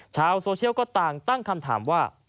ชาวโซเชียลก็ต่างตั้งคำถามว่า